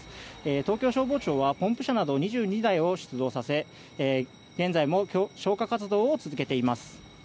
東京消防庁はポンプ車など２２台を出動させ現在も消火活動を続けています。